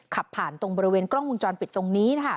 ขับผ่านตรงบริเวณกล้องวงจรปิดตรงนี้นะคะ